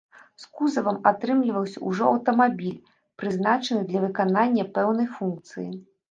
З кузавам атрымліваўся ўжо аўтамабіль, прызначаны для выканання пэўнай функцыі.